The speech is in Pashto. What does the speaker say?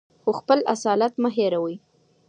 خو خپل اصالت مه هېروئ.